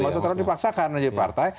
jangan dipaksakan menjadi partai